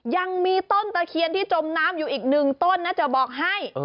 ยังมีต้นตะเคียนที่จมน้ำอยู่อีกหนึ่งต้นนะจะบอกให้